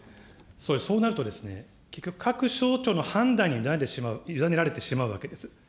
総理、そうなると結局、各省庁の判断に委ねられてしまうわけです。